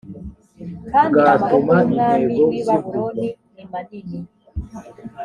kandi amaboko y umwami w i babuloni nimanini